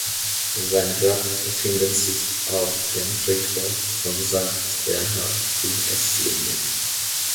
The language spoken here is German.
Sein Grab befindet sich auf dem Friedhof von Sankt Bernhardt in Esslingen.